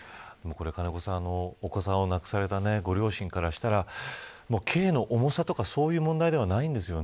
金子さん、お子さんを亡くされた両親からしたら刑の重さとか、そういう問題ではないんですよね。